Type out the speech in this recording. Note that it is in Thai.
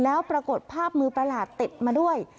แล้วปรากฏภาพมือประหลาดติดมาด้วย